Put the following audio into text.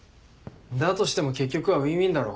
だとしても結局はウィンウィンだろ。